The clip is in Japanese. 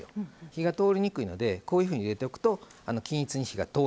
火が通りにくいのでこういうふうに入れておくと均一に火が通ります。